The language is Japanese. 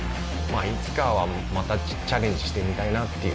あいつかはまたチャレンジしてみたいなっていう